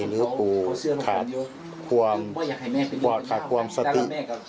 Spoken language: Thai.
หรือปูขาดความสติ